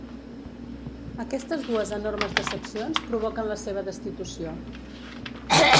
Aquestes dues enormes decepcions provoquen la seva destitució.